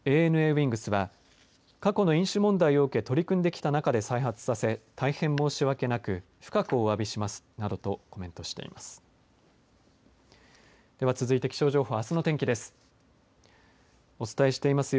ＡＮＡウイングスは過去の飲酒問題を受け取り組んできた中で再発させ、大変申し訳なく深くおわび申し上げますなどとコメントしています。